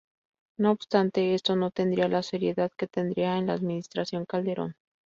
No obstante, esto no tendría la seriedad que tendría en la administración Calderón.